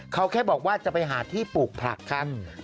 เขาแค่บอกว่าจะไปหาที่ปลูกผักครับ